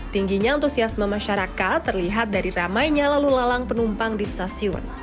tingginya antusiasme masyarakat terlihat dari ramainya lalu lalang penumpang di stasiun